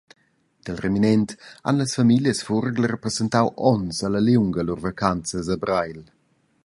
Dil reminent han las famiglias Furgler passentau onns alla liunga lur vacanzas a Breil.